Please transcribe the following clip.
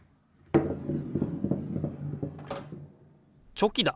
チョキだ！